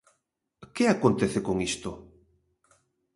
Que acontece con isto?